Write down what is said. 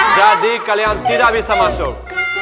jadi kalian tidak bisa masuk